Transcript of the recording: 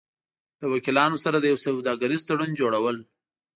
-له وکیلانو سره د یو سوداګریز تړون جوړو ل